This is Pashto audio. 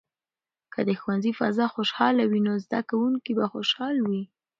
که د ښوونځي فضا خوشحاله وي، نو زده کوونکي به خوشاله وي.